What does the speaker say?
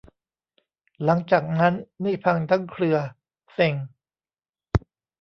หลังจากนั้นนี่พังทั้งเครือ เซ็ง